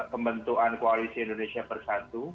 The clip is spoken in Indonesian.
pembentukan koalisi indonesia persatu